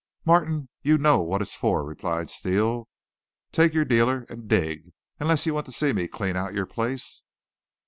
"Martin, you know what it's for," replied Steele. "Take your dealer and dig unless you want to see me clean out your place."